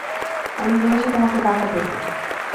আমি বলেছি তোমাকে টাকা দেব।